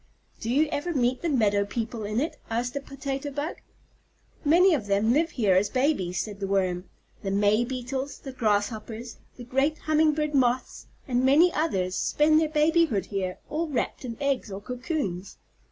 "Do you ever meet the meadow people in it?" asked the Potato Bug. "Many of them live here as babies," said the Worm. "The May Beetles, the Grasshoppers, the great Humming bird Moths, and many others spend their babyhood here, all wrapped in eggs or cocoons.